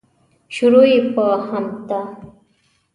شروع یې په حمد ده.